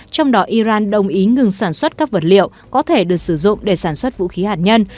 trong đó iran đồng ý ngừng sản xuất các vật liệu có thể được sử dụng để sản xuất vũ khí hạt nhân